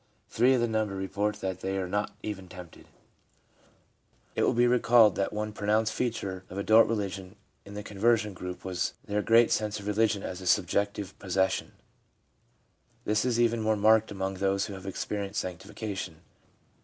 Three of the number report that they are not even tempted. SANCTIFICATION 385 It will be recalled that one pronounced feature of adult religion in the conversion group was their great sense of religion as a subjective possession. This is even more marked among those who have experienced sanctification.